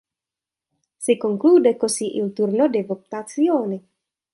Si conclude così il turno di votazioni.